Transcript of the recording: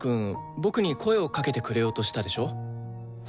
僕に声をかけてくれようとしたでしょう？